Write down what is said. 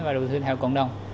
và đầu tư theo cộng đồng